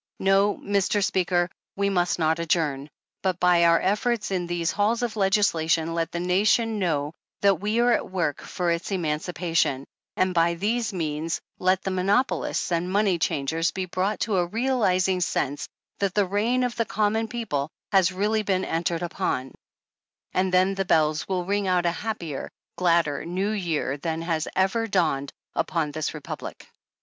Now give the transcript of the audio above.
No, Mr. Speaker, we must not adjourn, but by our efforts in these halls of legislation let the nation know that we are at work for its emancipation, and by these means let the monopolists and money changers be brought to a realizing sense that the Reign of the Common People has really been entered upon, and then the 24 25 bells will ring out a happier, gladder New Year than has ever dawned upon this Republic."